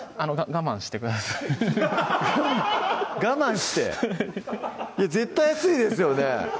我慢我慢して絶対熱いですよね